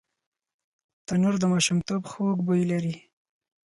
تنور د ماشومتوب خوږ بوی لري